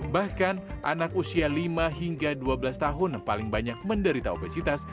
bahkan anak usia lima hingga dua belas tahun paling banyak menderita obesitas